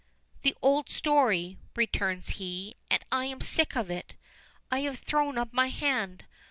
"The old story," returns he, "and I am sick of it. I have thrown up my hand.